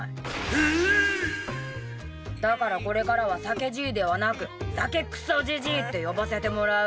ええ⁉だからこれからは酒爺ではなく酒クソじじいって呼ばせてもらう。